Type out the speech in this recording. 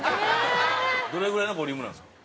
どれぐらいのボリュームなんですか？